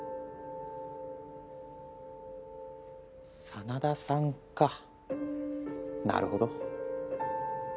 真田さんかなるほど。